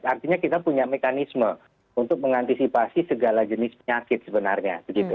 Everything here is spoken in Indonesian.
artinya kita punya mekanisme untuk mengantisipasi segala jenis penyakit sebenarnya